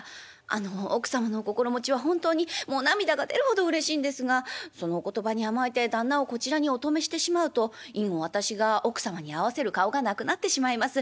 あの奥様のお心持ちは本当にもう涙が出るほどうれしいんですがそのお言葉に甘えて旦那をこちらにお泊めしてしまうと以後私が奥様に合わせる顔がなくなってしまいます。